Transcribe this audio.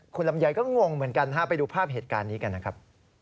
คุณลำไยก็งงเหมือนกันไปดูภาพเหตุการณ์นี้กันนะครับ